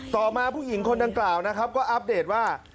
ต่อมาผู้หญิงคนดังกล่าวนะครับก็อัปเดตว่า